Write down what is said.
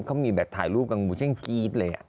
เขามีแบบถ่ายรูปกันบูเช่งกรี๊ดเลย